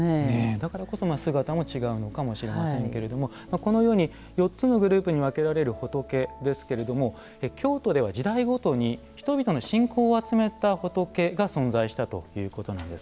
だからこそ姿も違うのかもしれませんけれどもこのように４つのグループに分けられる仏ですけれども京都では時代ごとに人々の信仰を集めた仏が存在したということなんです。